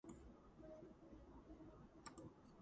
ნაწარმოებები სხვადასხვა დროს პრესაში ქვეყნდებოდა.